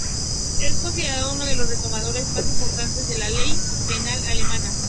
Es considerado uno de los reformadores más importantes de la ley penal alemana.